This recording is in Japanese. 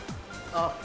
あっ。